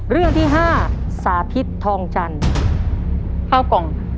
เรื่องที่๕สาธิตทองจันทร์ข้าวกล่อง